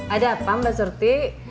ada apa mbak surti